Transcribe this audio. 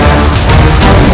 aku akan menang